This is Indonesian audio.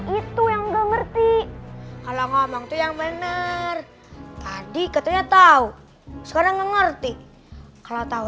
itu yang enggak ngerti kalau ngomong tuh yang benar adik katanya tahu sekarang mengerti kalau tahu